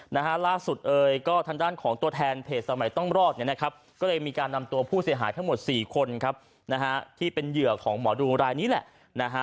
นะฮะล่าสุดเอ่ยก็ทางด้านของตัวแทนเพจสมัยต้องรอดเนี่ยนะครับก็เลยมีการนำตัวผู้เสียหายทั้งหมดสี่คนครับนะฮะที่เป็นเหยื่อของหมอดูรายนี้แหละนะฮะ